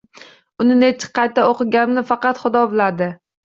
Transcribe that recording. Uni nechchi qayta o’qiganimni faqat xudo biladi